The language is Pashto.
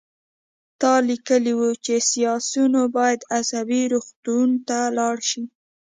تا لیکلي وو چې سیاسیون باید عصبي روغتون ته لاړ شي